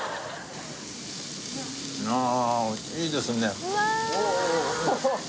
ああいいですね